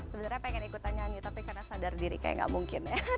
saya ingin ikut nyanyi tapi karena sadar diri kayak nggak mungkin ya